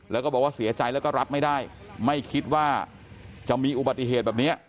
แล้วก็บอกว่าเสียใจแล้วก็รับไม่ได้ไม่คิดว่าจะมีอุบัติเหตุแบบนี้